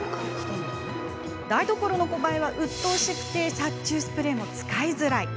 台所のコバエはうっとうしくて殺虫スプレーも使いづらい。